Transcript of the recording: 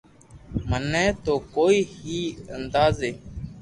مني تو ڪوئي ھي اندازي